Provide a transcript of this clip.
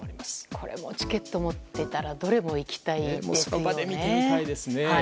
これ、チケットを持っていたらどれも行きたいですよね。